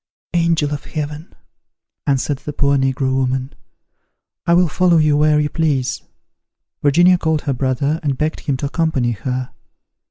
"Angel of heaven!" answered the poor negro woman, "I will follow you where you please!" Virginia called her brother, and begged him to accompany her.